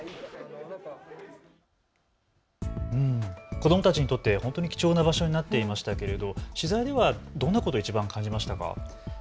子どもたちにとって本当に貴重な場所になっていましたけれども取材ではどんなことをいちばん感じましたか。